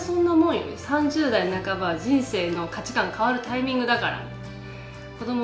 ３０代半ばは人生の価値観が変わるタイミングだから」。